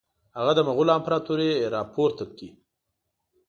هغه د مغولو امپراطوري را پورته کړي.